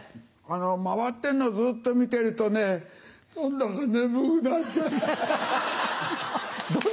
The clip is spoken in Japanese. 回ってるのずっと見てるとね何だか眠くなっちゃった。